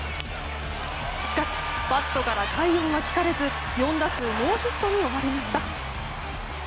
しかしバットから快音は聞かれず４打数ノーヒットに終わりました。